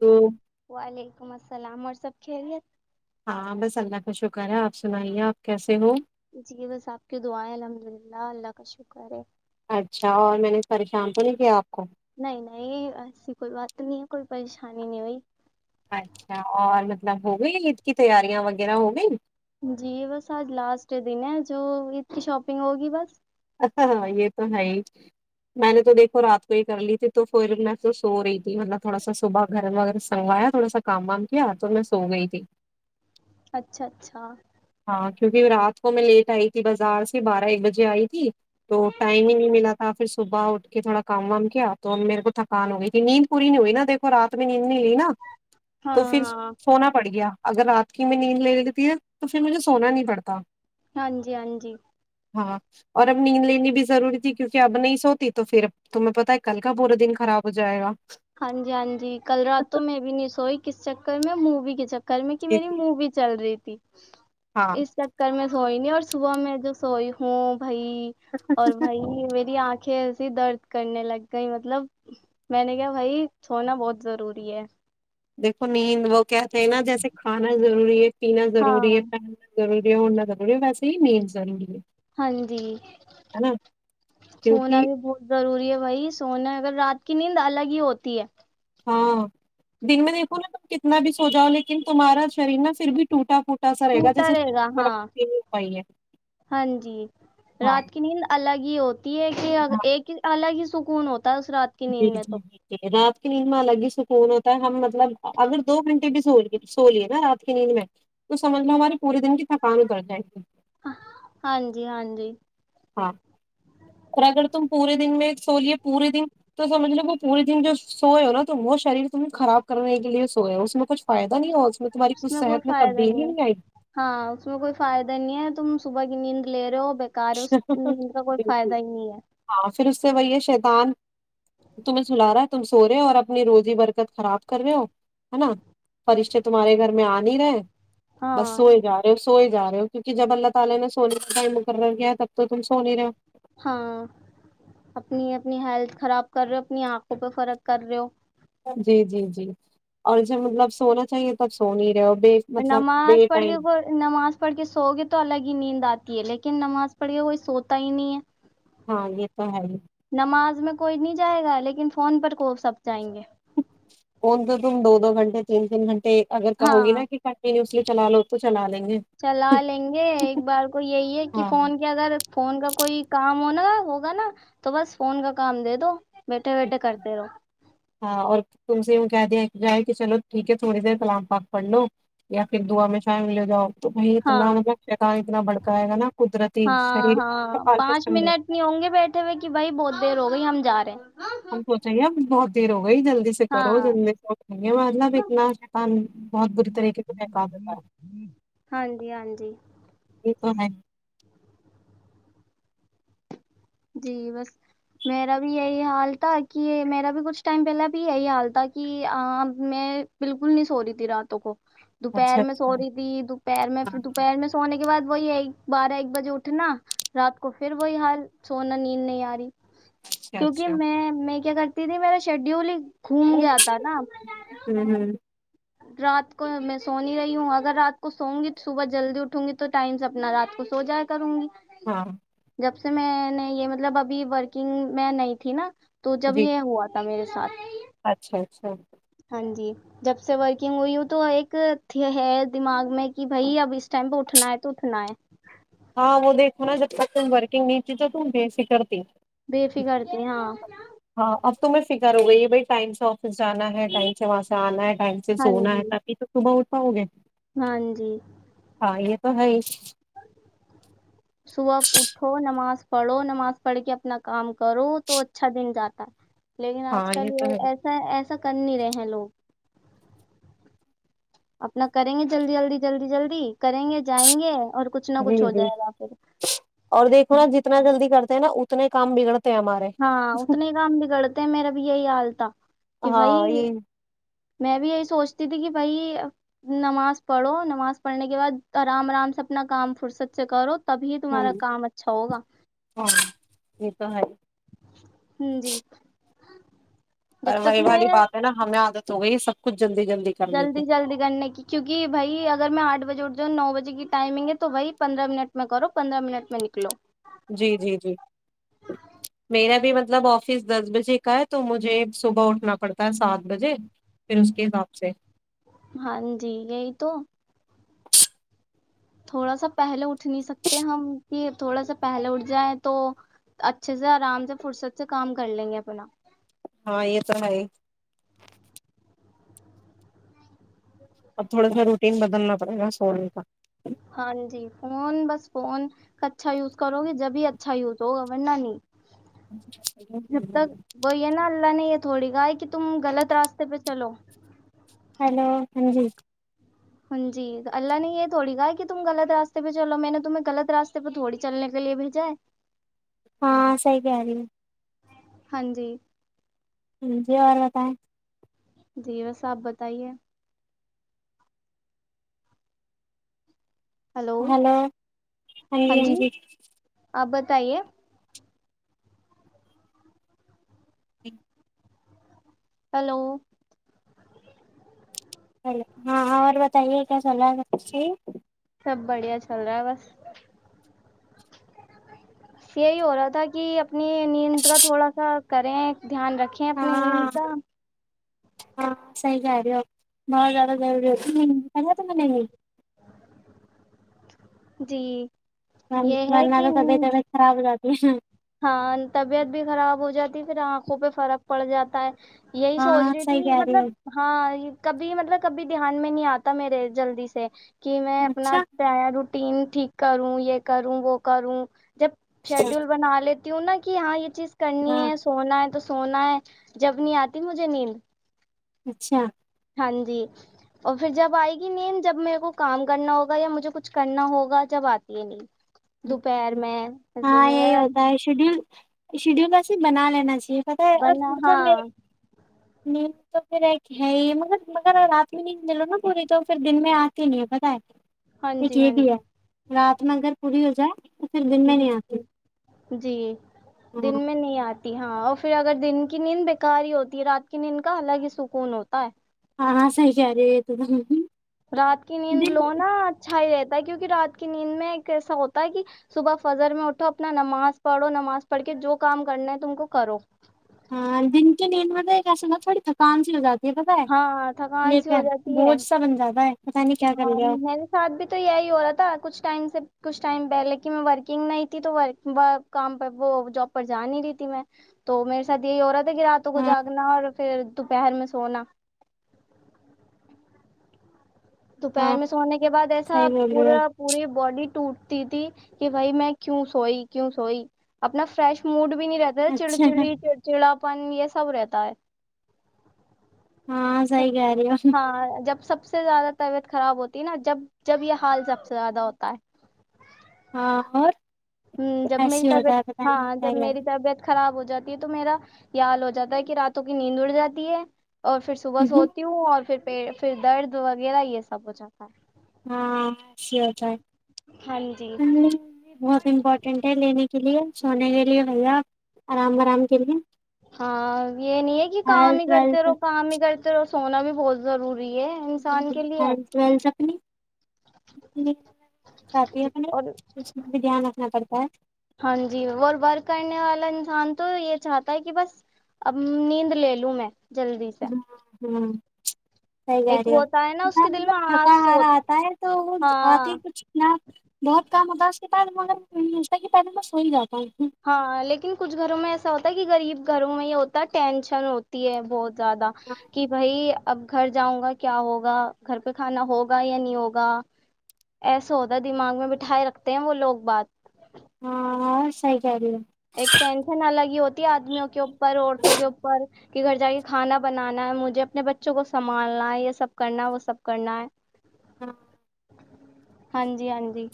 تو والے ولیکم السلام اور سب کھیلے [unintelligible] ہاں بس اللہ کا شکر ہے آپ سنائیے آپ کیسے ہو جی بس آپ کی دعائیں الحمد للہ اللہ کا شکر ہے اچھا اور میں نے پریشان تو نہیں کیا آپ کو نہیں نہیں ایسی کوئی بات نہیں ہے کوئی پریشانی نہیں ہوئی اچھا اور مطلب ہو گئی عید کی تیاریاں وغیرہ ہو گئی جی بس آج لاسٹ دن ہے جو اس کی شاپنگ ہوگی بس ہاں ہاں یہ تو ہے ہی میں نے تو دیکھو رات کو ہی کر لی تھی تو پھر میں تو سو رہی تھی مطلب تھوڑا سا صبح گھر میں وغیرہ سنگوایا تھوڑا سا کام وام کیا تو میں سو گئی تھی اچھا اچھا ہاں کیونکہ رات کو میں لیٹ آئی [unintelligible] بازار سے بارہ ایک بجے [unintelligible] جائے [unintelligible] تھی تو ٹائم ہی نہیں ملا تھا پھر صبح اٹھ کے تھوڑا کام وام کیا تو میرے کو تھکان ہو گئی تھی نیند پوری نہیں ہوئی نا دیکو رات میں [unintelligible] لی نا ہاں تو پھر ہاں سونا پڑ گیا اگر رات [unintelligible] کہ میں نیند لےنے لیتی ہے تو پھر مجھے سونا نہیں پڑتا ہاں جی ہاں جی ہاں [unintelligible] اور اب نیند لینی بھی ضروری تھی کیونکہ اب نہیں سوتی تو پھر تمہیں پتتا ہے کل کا پورا دن خراب ہو جائے گا ہاں جی ہاں جی کل رات تو میں بھی نہیں سوئی کس چک میں موی کے چک کل میں کہ جی میری جی منہ بھی چل رہی تھی ہاں اس چکر میں سوئی نہیں اور صبح میں جو سوئی ہوں بھائی اور بھائی میری آنکھیں درد کرنے لگ گئی مطلب میں نے کیا بھائی سونا بہت ضروری ہے دیکو نیند وہ کہتے ہیں نا جیسے کھانا ضروری ہے پینا ضروری ہاں ہے پہننا ضروری نہ کریے ویسے ہی مینزی ہے ہاں جی ہے نا سونا کیونکہ بھی بہت ضروری ہے بھائی سونا اگر رات کی نیند الگ ہی ہوتی ہے ہاں دن میں دیکھو نا تم کتنا بھی سو جاؤ لیکن تمہارا شریر نا پھر بھی ٹوٹا پھوٹا سا گا ٹوٹا جیسے اس رہے میں گا کچھ ہاں مرمت ہی نہیں ہو پائی ہے ہاں جی رات ہاں کی نیند الگ ہی [unintelligible] یہ ایک ہی الگ ہی سکون ہو جی جی ایک رات نیند میں الگ ہی سکون ہوتا ہے ہم مطلب اگر دو گھنٹے بھی س سو لیے نا رات کی نیند میں تو سمجھ لو ہمارے پورے دن کی تھکان اتر جائے گی ہاں جی ہاں جی ہاں اور اگر تم پورے دن میں سو لیے پورے دن تو سمجھ لو وہ پورے دن جو سوئے ہو نا تو وہ شریر تم خراب کرنے کے لیے سوئے ہو اس میں کچھ فائدہ نہیں ہو میں تمہاری اس کچھ میں کوئی صحت فائدہ تبدیلی نہیں آئے ہے ہاں اس میں کوئی فائدہ نہیں ہے تم صبح کی نیند لے رہے ہو گی بکار ہے اس نیند کا کوئی بالکل فائدہ ہی نہیں ہے ہاں پھر اس سے وہی ہے شیتان تمہیں سلا رہا ہے تم سو رہے ہو اور اپنی روزی برکت خراب کر رہے ہو ہے نا فرشتے تمہارے گھر میں آ نہیں رہے بس ہاں سوئے جا رہے ہو سوئے جا رہے کیونکہ جب اللہ تالی نے سو بھ کرر گیا تب تو تم سو نہیں رہے ہو ہاں اپنی اپنی ہیلتھ خراب کر رہے ہو اپنی آنکھوں پہ فرق کر رہے ہو جی جی جی اور جب مطلب سونا چاہیے تب سو نہیں رہے بے مطلب بے نماز پڑھ ٹائم کے نماز پڑھ کے سو گئے تو الگ ہی نیند آتی تی ہے لیکن نماز پڑھیے کوئی سوتا ہی نہیں ہے ہاں یہ تو ہے ہی نماز میں کوئی نہیں جائے گا لیکن فون پر کو سب جائیں گے فون تو تم دو دو گھنٹے تین تین گھنٹے اگر کہوں گی ہاں نا کہ کنٹینیوسلی چلا لو تو چلا لے چلا لیں گے ایک بار کو یہی ہے کہ ہاں فون کے اگر فون کا کوئی کام ہونا ہوگا نا تو بس فون کا کام دے دو بیٹھے بیٹھے کرتے رہو ہاں اور تم سے کہہ دیا جائے کہ چلو ٹھیک ہے تھوڑی دیر کلام پاک پڑھ لو یا پھر دعا میں شامل ہو جاؤ تو بھائی اتنا ہاں مطلب شیطان اتنا بھڑکاے گا نا قدرتی ہاں شریر ہاں پانچ منٹ نہیں ہوں گے بیٹھے ہوئے کہ بھائی بہت دیر ہو گئی ہم جا رہے ہیں [unintelligible] وہی جلدی سے کرو ہاں جلدی سے مطلب اتنا شیطان بہت بری طریقے سے بہکا دیتا ہے ہاں جی ہاں جی یہ تو ہے جی بس میرا بھی یہی حال تھا کہ میرا بھی کچھ ٹائم پہلے بھی یہی حال تھا کہ میں بالکل نہیں سو رہی تھی راتوں کو دوپہر اچھا میں اچھا سو رہی تھی دوپہر میں دوپہر میں سونے کے کے بعد وہی ایک بارہ ایک بجے اٹھنا رات کو پھر وہی حال سونا نین یاری [unintelligible] اچھا کیونکہ اچھا میں میں [unintelligible] کیا کرتی تھی میرا شیڈیول ہی [unintelligible] گھوم گیا ہمم تھا نا ہمم [unintelligible] رات کو میں سو نہیں رہی ہوں اگر رات کو سووں گی تو صبح جلدی اٹھوں گی تو ٹائم سے اپنا رات کو سو جایا کروں گی [unintelligible] ہاں [inaudible] جب سے میں نے یہ مطلب ابھی ورکنگ میں نہیں تھی نا [unintelligible] تو جب جی یہ ہوا تھا میرے [unintelligible] سات [inaudible] اچھا اچھا [unintelligible] جی جب [inaudible] سے ورکنگ ہوئی ہوں تو ایک ہے دماغ میں کہ بھائی اب اس ٹائم پہ اٹھنا ہے تو اٹھنا ہے [unintelligible] ہاں وہ دیکھ مناا ج پک بر [unintelligible] کہ ن چ تو ت بیے س کرتی [unintelligible] بے فکرتی ہاں [unintelligible] ہاں اب تو میں فکر ہو گئی ہے بھائی ٹائم سے آفس جانا ہے ٹائم سے وہاں سے آنا ہے [unintelligible] ہاں سونا ہے جی پ تو صب [unintelligible] ہ گے [inaudible] ہاں جی [unintelligible] ہاں یہ تو ہے [unintelligible] صبح اٹھو نماز پڑھو نماز پڑھ کے اپنا کام کرو تو اچھا دن جاتا ہے [unintelligible] لیکن آج ہاں کل تو ہے یہ ایسا ایسا کر نہیں رہے ہیں لوگ [unintelligible] اپنا کریں گے جلدی جلدی جلدی جلدی [unintelligible] کریں گے جائیں گے اور کچھ نہ جی کچھ ہو جی جائے گا پھر اور دیکھو نا [unintelligible] جتنا جلدی کرتے نا اتنے کام بگڑتے [unintelligible] ہاں اتنے کام بگڑتے میرا بھی یہی حال تھا کہ بھائی ہاں یہ [unintelligible] میں بھی یہی سوچتی تھی کہ بھائی نماز پڑھو نماز پڑھنے کے بعد آرام آرام سے اپنا کام فرصت سے کرو [unintelligible] تبھی تمہارا ہمم کام اچھا ہوگا [unintelligible] سہر [inaudible] ہ جی [unintelligible] اور تک وہی میں والی بات ہے نا ہمیں عادت ہو گئی [unintelligible] س کچ [inaudible] جلدی جلدی کرنے کی کیونکہ بائی اگر میں آٹھ بجے اٹھ [unintelligible] جو نو بجے کی ٹائمنگ ہے تو وہی پندرہ منٹ میں کرو پندرہ منٹ میں نکلو [unintelligible] جی جی جی میرا بھی مطلب آفس دس بجے کا ہے تو مجھے صبح اٹھنا پڑتا ہے سات بجے پھر اس کے حساب سے [unintelligible] ہاں جی یہی تو [unintelligible] تھوڑا سا پہلے اٹھ نہیں سکتے ہم کہ تھوڑا سا پہلے اٹھ جائیں تو اچھے سے آرام سے فرصت سے کام کر لیں گے اپنا [unintelligible] ہاں یہ تو ہے ہی [unintelligible] اب تھوڑا سا روٹین بدلنا پڑے گا سونے کا ہاں جی فون بس فون اچھا یز کرو گے جب بھی اچھا یوز ہوگا بننا نہیں جب تک وہی ہے نا اللہ نے یہ تھوڑی گائے کہ تم غلط راستے پہ چلو ہیلو ہاں جی ہ جی اللہ نے یہ تھوڑی کہا کہ تم غلط راستے پہ چلو میں نے تمہیں غط راستے پہ تھوڑی چلنے کے لیے بھیجاائے ہاں صحیح کہہ رہی ہے ہاں جی مھے اور بتائیں جی بیس آپ بتائیے ہلو ہاں جی ہاں جی آپب بتائیے ایک ہلو ہاں اور بتائیے کیا سلاحھی سب بڑھیا چل رہا ہے بس یہی ہو رہا تھا کہ اپنی نیند کا تھوڑا سا کریں دھیان رکھیں ہاں اپنے نیم کا ہاں سحی کہ رہی ہو بہت زیادہ ضور ہوتی کر ت م نے نہیں جی یہ ہے منا کہ تو سب جگ خااب جات [inaudible] ہاں طبیعت بھی خراب ہو جاتی پھر آنکھوں پہ فرق پڑ جاتا ہے یہی سوچ ہاں رہی صحیح تھی کہہ رہی مطلب ہو ہاں کبھی مطلب کبھی دھیان میں نہیں آتا میرے جلدی سے کہ میں اپنا اچھا پرایا رو ین ٹھیک کروں یہ کروں وہ کروں جب شیڈیول لیتی ہوں نا کہ ہاں یہ چیز کرنی ہاں ہے سونا ہے تو سونا ہے جب نہیں آتی مجھے نیند اچھا ہاں جی اور پھر جب آئے گی نیین جب میرے کو کام کرنا ہوگا یا مجھے کچھ کرنا ہوگا جب آتی ہے نی ہاں یہی ہوتا ہے شیڈیول شیڈیول میں صرف بنا لینا چاہیے پتہ ہے اور بنا مطلب ہاں نیند تو پھر ایک ہے ہی مگر مگر رات میں نیند ملو نا پوری تو پھر دن میں آتی نہیں ہے پت ہے کہ ہاں جی ہاں جی رات مگر کڑی ہزار جی جی جی دن ہاں میں نہیں آتی ہاں اور پھر اگر دن کی نیند بےیکار ہی ہوتی ہے رات کی نیند کا الگ ہی سکون ہوتا ہے ہاں ہاں صحیح رہے رات کی نیند لو نا اچھا ہی رہتا ہے کیوںکہ رات کی نیند میں ایک ایسا ہوتا ہے کہ صبح فجر میں اٹھو اپنا نماز پڑھو نماز پڑھ کے جو کام کرنا ہے تم کو کرو ہاں دن کے دیند مطل ایسا ہو تھوڑی تھکان سی ہو جاتی ہے پتہ ہے ہاں تھکان سی ہو لیکن جاتی ہے بوجھ سا بن جاتا ہے پتا نہیں کیا کر ہاں لیا ہو۔ میرے ساتھ بھی تو یہی ہو رہا تھا کچھ ٹائم سے کچھ ٹائم پہ لےن میں ورکنگ نہیں تھی تو کام پر وہ جاب پر جا نہیں رہی تھی میں تو میرے ساتھ یہی عورت کہ راتوں کو ہاں جاگنا اور پھر دوپہر میں سونا [inaudible] دوپہر ہاں میں سونے کے بعد ایسا صحیح بول رہے ہو پورا پوری باڈی ٹوٹ تھی کہ بھائی میں کیوں سوئی کیوں سوئی اپنا فریش موڈ بھی نہیں رہتا تھا چڑ اچھا چڑی چڑچڑا پن یہ سب رہتا [inaudible] تا [inaudible] ہاں صحیح کہہ رہی ہو ہاں جب سب سے زیادہ طبیعت خراب ہوتی نا جب جب یہ حال سب سے زیادہ ہوتا ہے ہاں اور جب میری ایسے ہی طبیعت ہوتا ہے پتا نہیں ہاں کیا جب کر میری لیا۔ طبیعت خراب ہوتی جاتی ہے تو میرا یاال ہو جاتا ہے کہ راتوں کی نیند اڑ جاتی ہے اور پھر صبح سوتی ہوں اور پھر [unintelligible] پ پھر درد وغیرہ یہ سب ہو جاتا ہے [unintelligible] ہاں [inaudible] اچ ہوتا ہے ہاں جی بہت امپورٹینٹ ہے لینے کے لیے [unintelligible] سونے کے لیے بھیا [unintelligible] آرام کے لیے ہاں یہ نہیں ہے کہ کام ہی ہیلتھ کرتے ویلتھ رہو کام ہی کرتے [unintelligible] اور سونا بھی بہت ضروری [unintelligible] انسان کے لیے ٹلتھ اپنی [inaudible] جی [inaudible] اور پڑتا ہاں جی اور ورک کرنے والا انسان تو یہ چاہتا ہے کہ بس اب نیند لے لوں میں [unintelligible] سے ہ ہوں [inaudible] صحی کہہ ایک رہی ہے ہوتا نا اس کے دل مطلب میں تھکا آج سو ہارا آتا ہے تو وہ آتی ہی ہاں کچھ یہ بہت کام ہوتا [unintelligible] اس کے بعد مگر یہ ہوتا کہ بعد میں سوئی جاتا ہوں ہاں لیکن کچھ گھروں میں ایسا ہوتا ہے کہ غریب گھروں میں یہ ہوتا ہے ٹینشن ہوتی ہے بہت زیادہ کہ بھائی اب گھر جاؤں گا کیا ہوگا گھر پہ کھانا ہوگا یا نہیں ہوگا ایسا ہوتا دماغ میں بٹھائے رکھتے ہیں وہ لوگ بات ہاں سی ج رہے ایک ٹینشن الگی ہوتا آدمیوں کےو پرر عورتوں کے اوپر کہ گھر جا کے کھانا بنانا ہے مجھے اپنے بچوں کو سنبھالنا ہے یہ سب کرنا وہ سب کرنا ہے ہاں ہاں جی ہاں جی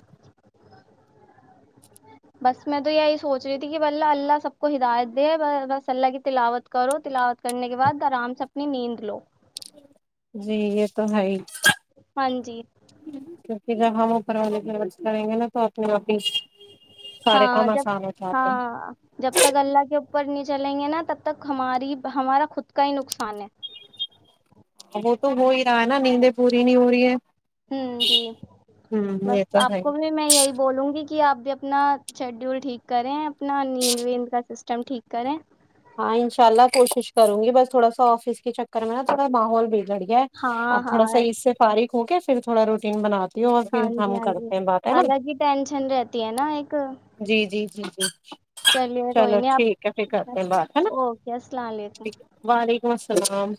بس میں تو یہی سوچ رہی تھی کہ بلہ اللہ سب کو ہدایت دے بس اللہ کی تلاوت کرو تلاوت کرنے کے بعد آرام سے اپنی نیند لو جی یہ تو ہے ہی ہاں جی کیکہ جب ہم اوپر والنے کی مرض کریں گے نا تو اپنے آپ ہی سارے ہاں کام جب آسان ہو جاتے ہاں جب تک اللہ کے اپر نہیں چلیں گے نا تب تک ہماری ہمارا خود کا ہی نقصان ہے وہ تو ہو ہی رہا ہے نا نیندیں پوری نہیں ہو رہی ہے ہ جی ہمم یہ بس تو آپ ہے ہی۔ کو بھی میں یہی بولوں گی کہ کہ آپ بھی اپنا شیڈیول ٹھیک کریں اپنا نیند ویند کا سسٹم ٹھیک کریں ہاں ان شاء اللہ کوشش کروں گی بس تھوڑا سا آفس کے چکر میں نا تھوڑا ماحول بھی گڑیا ہاں آپ تھوڑا ہاں سا اس سے فارغ ہوگ پھر تھوڑا روٹیین بنا ہاں جی ہاں جی الگ ہی ٹینشن رہتی ہے نا ایک جی جی جی چلیے کوئی چلو نہیں آپ ٹھیک ہے پ گ اوکے السلام علیکم وعلیکم السلام